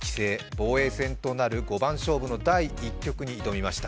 防衛戦となる五番勝負の第１局に挑みました。